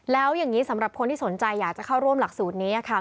แล้วอย่างนี้สำหรับคนที่สนใจอยากจะเข้าร่วมหลักสูตรนี้ค่ะ